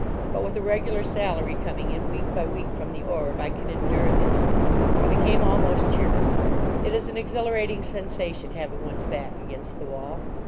But, with a regular salary coming in week by week from the Orb, I could endure this. I became almost cheerful. It is an exhilarating sensation having one's back against the wall.